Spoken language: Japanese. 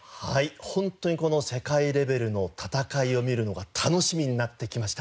ホントにこの世界レベルの戦いを見るのが楽しみになってきました。